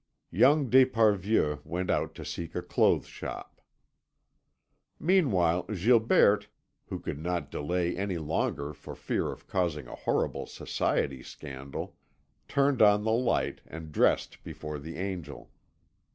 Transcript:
Young d'Esparvieu went out to seek a clothes shop. Meanwhile, Gilberte, who could not delay any longer for fear of causing a horrible society scandal, turned on the light and dressed before the Angel.